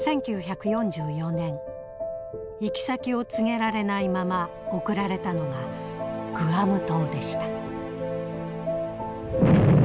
１９４４年行き先を告げられないまま送られたのがグアム島でした。